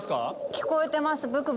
聞こえてます。